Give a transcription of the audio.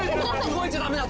動いちゃダメだ！